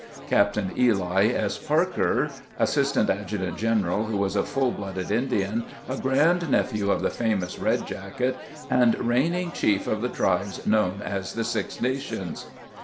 Captain Ely S. Parker, assistant adjutant general, who was a full blooded Indian, a grand nephew of the famous Red Jacket, and reigning chief of the tribes 34 CAMPAIGNING WITH GRANT known as the Six Nations.